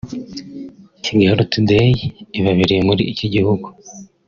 Kigali Today ibabereye muri iki gihugu